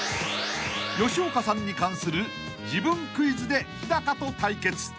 ［吉岡さんに関する自分クイズでヒダカと対決］